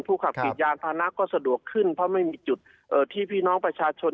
ขับกรีดยานพานะก็สะดวกขึ้นเพราะไม่มีจุดที่พี่น้องประชาชน